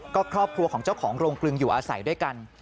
ก็ครอบครัวของเจ้าของโรงกลึงอยู่อาศัยด้วยกัน